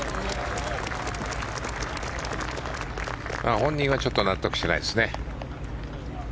本人はちょっと納得していないですね。